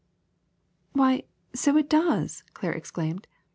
*^Why, so it does!" Claire exclaimed.